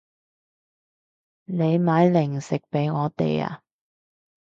你買零食畀我哋啊